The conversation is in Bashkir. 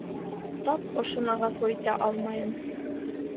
Тап ошоно ғәфү итә алмайым.